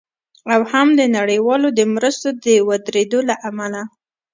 او هم د نړیوالو د مرستو د ودریدو له امله